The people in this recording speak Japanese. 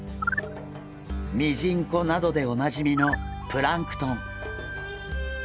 ミジンコなどでおなじみのプランクトン。